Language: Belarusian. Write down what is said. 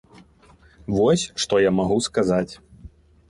Вось што я магу сказаць.